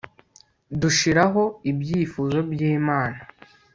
Dushiraho ibyifuzo byImana